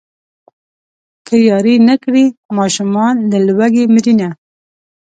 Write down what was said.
که ياري نه کړي ماشومان له لوږې مرينه.